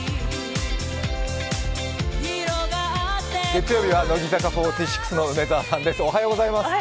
月曜日は乃木坂４６の梅澤さんです。